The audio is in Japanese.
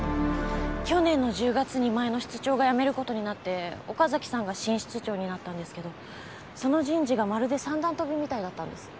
去年の１０月に前の室長が辞める事になって岡崎さんが新室長になったんですけどその人事がまるで三段跳びみたいだったんです。